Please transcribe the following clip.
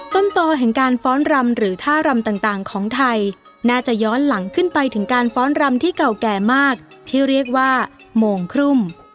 ต้นต่อแห่งการฟ้อนรำหรือท่ารำต่างของไทยน่าจะย้อนหลังขึ้นไปถึงการฟ้อนรำที่เก่าแก่มากที่เรียกว่าโมงครุ่ม